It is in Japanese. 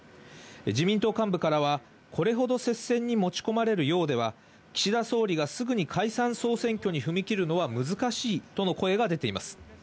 自民党幹部からは、これほど接戦に持ち込まれるようでは、岸田総理がすぐに解散・総選挙に踏み切るのは難しいとの声が出ています。